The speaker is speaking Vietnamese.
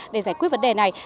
để giải quyết vấn đề này